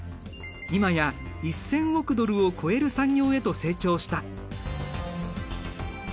今や１，０００億ドルを超える産業へと成長した。